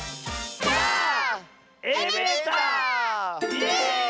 イエーイ！